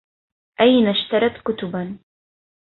أين اشترت كتبا؟